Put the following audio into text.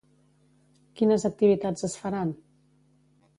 Quines activitats es faran?